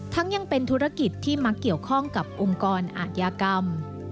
ยังเป็นธุรกิจที่มักเกี่ยวข้องกับองค์กรอาธิกรรม